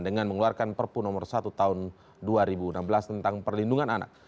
dengan mengeluarkan perpu nomor satu tahun dua ribu enam belas tentang perlindungan anak